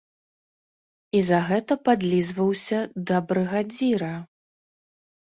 І за гэта падлізваўся да брыгадзіра?